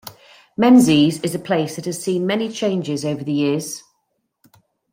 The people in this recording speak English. Menzies is a place that has seen many changes over the years.